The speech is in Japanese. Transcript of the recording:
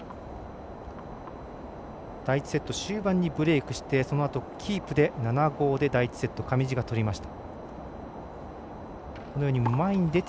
第１セット終盤にブレークしてそのあと、キープで７−５で第１セット、上地が取りました。